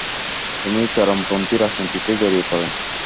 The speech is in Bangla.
তিনি চরমপন্থি রাজনীতিতে জড়িয়ে পড়েন।